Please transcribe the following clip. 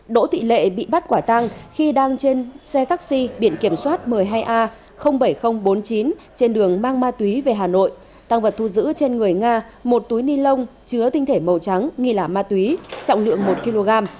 đỗ thị lệ bị bắt quả tăng khi đang trên xe taxi biển kiểm soát một mươi hai a bảy nghìn bốn mươi chín trên đường mang ma túy về hà nội tăng vật thu giữ trên người nga một túi ni lông chứa tinh thể màu trắng nghi là ma túy trọng lượng một kg